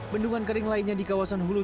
bendungan kering lainnya di kawasan hulu